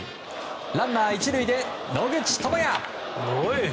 ランナー１塁で野口智哉。